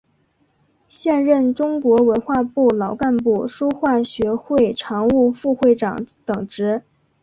现任中国文化部老干部书画学会常务副会长等职。